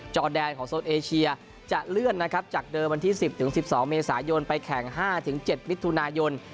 จอแดนของโซนเอเชียจะเลื่อนนะครับจากเดิมวันที่๑๐๑๒เมษายนไปแข่ง๕๗มิถุนายน